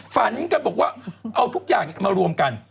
ฝันกันให้สินค้านั้นมารวมกัน